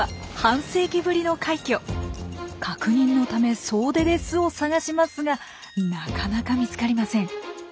確認のため総出で巣を探しますがなかなか見つかりません。